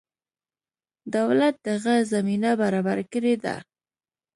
دولت دغه زمینه برابره کړې ده.